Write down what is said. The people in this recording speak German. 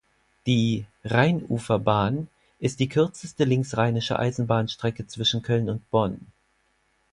Die "Rheinuferbahn" ist die kürzeste linksrheinische Eisenbahnstrecke zwischen Köln und Bonn.